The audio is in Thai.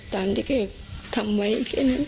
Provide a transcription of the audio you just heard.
ตามที่แกทำไว้แค่นั้น